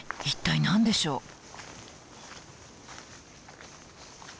一体何でしょう？